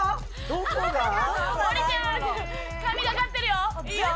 神懸かってるよ。